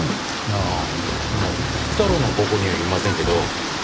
ああまあ福太郎の高校にはいませんけど増えてますよね。